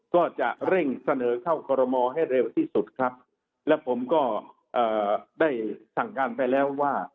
ก็จะเร่งเสนอเข้าคอรมอให้เร็วที่สุดครับและผมก็เอ่อได้สั่งการไปแล้วว่า